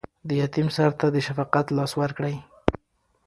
د یتیم سر ته د شفقت لاس ورکړئ.